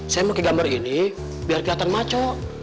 saya pakai gambar ini biar kelihatan maco